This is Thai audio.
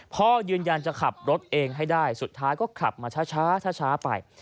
พ่อยืนยันจะขับรถเองให้ได้สุดท้ายก็ขับมาช้าไป